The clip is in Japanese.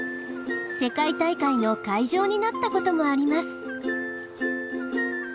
世界大会の会場になったこともあリます。